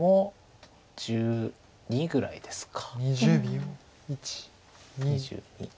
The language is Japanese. ８２ぐらいですか。